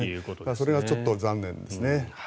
それがちょっと残念ですね。